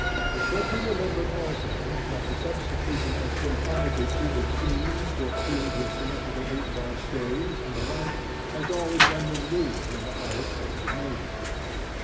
It should be remembered also that the substitution of symphonically treated themes for tunes with symmetrical eight bar staves and the like, has always been the rule in the highest forms of music.